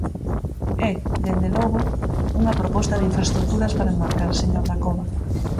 É, dende logo, unha proposta de infraestruturas para enmarcar, señor Dacova.